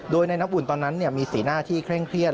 โดยในน้ำอุ่นตอนนั้นมีสีหน้าที่เคร่งเครียด